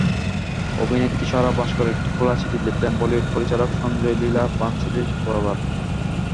অভিনেত্রী স্বরা ভাস্কর একটি খোলা চিঠি লিখলেন বলিউড পরিচালক সঞ্জয়লীলা বানসালী বরাবর।